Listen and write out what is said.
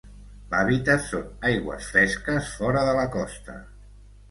L'hàbitat són aigües fresques fora de la costa.